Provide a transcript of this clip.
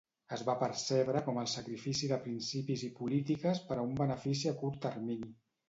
Es va percebre com el sacrifici de principis i polítiques per a un benefici a curt termini.